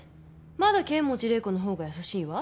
まだ剣持麗子の方が優しいわ。